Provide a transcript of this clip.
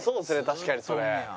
確かにそれ。